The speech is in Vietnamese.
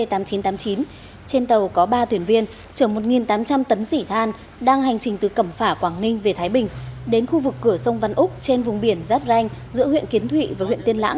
trên tàu có ba thuyền viên chở một tám trăm linh tấn xỉ than đang hành trình từ cẩm phả quảng ninh về thái bình đến khu vực cửa sông văn úc trên vùng biển giát ranh giữa huyện kiến thụy và huyện tiên lãng